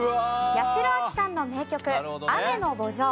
八代亜紀さんの名曲『雨の慕情』。